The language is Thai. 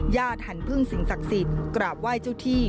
หันพึ่งสิ่งศักดิ์สิทธิ์กราบไหว้เจ้าที่